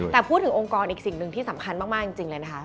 แต่พูดถึงองค์กรอีกสิ่งหนึ่งที่สำคัญมากจริงเลยนะคะ